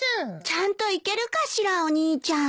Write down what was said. ちゃんと行けるかしらお兄ちゃん。